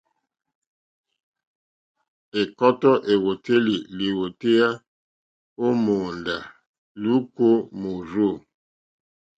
Ɛ̀kɔ́tɔ́ èwòtélì lìwòtéyá ó mòóndá lùúkà ó mòrzô.